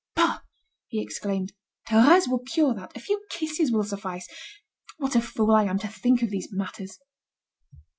"Bah!" he exclaimed, "Thérèse will cure that. A few kisses will suffice. What a fool I am to think of these matters!"